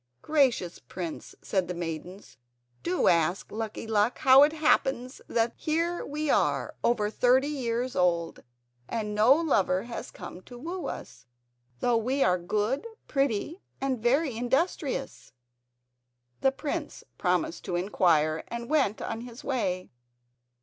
"Gracious prince," said the maidens, "do ask Lucky Luck how it happens that here we are over thirty years old and no lover has come to woo us, though we are good, pretty, and very industrious." The prince promised to inquire, and went on his way.